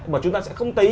mà chúng ta sẽ không thấy